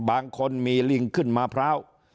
บางคนมีลิงขึ้นมะพร้าว